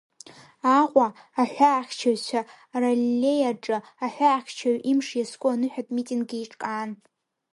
Аҟәа Аҳәаахьчаҩцәа раллеиа аҿы аҳәаахьчаҩ Имш иазку аныҳәатә митинг еиҿкаан.